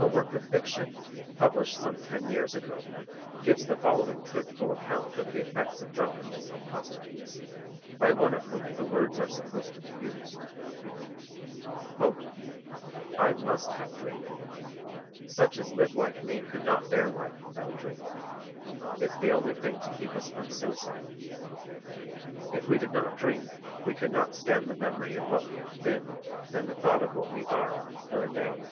A work of fiction, published some ten years ago, gives the following truthful account of the effects of drunkenness on prostitutes, by one of whom the words are supposed to be used: "I must have drink. Such as live like me could not bear life without drink. It's the only thing to keep us from suicide. If we did not drink we could not stand the memory of what we have been, and the thought of what we are, for a day.